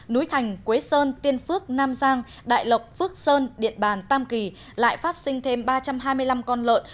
núi thành quế sơn tiên phước nam giang đại lộc phước sơn điện bàn tam kỳ lại phát sinh thêm ba trăm hai mươi năm con lợn